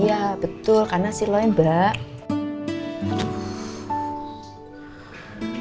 iya betul karena silonya mbak